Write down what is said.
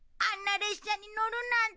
列車に乗るなんて。